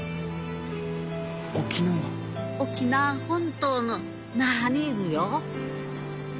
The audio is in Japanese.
沖縄本島の那覇にいるよ。